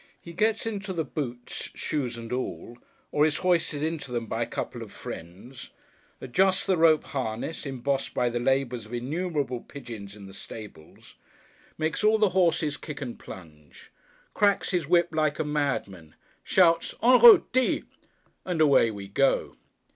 —he gets into the boots, shoes and all, or is hoisted into them by a couple of friends; adjusts the rope harness, embossed by the labours of innumerable pigeons in the stables; makes all the horses kick and plunge; cracks his whip like a madman; shouts 'En route—Hi!' and away we go.